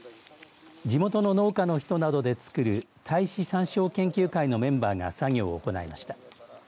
地元の農家の人などで作る太子サンショウ研究会のメンバーが作業を行いました。